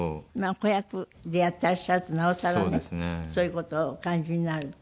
子役でやっていらっしゃるとなおさらねそういう事をお感じになる。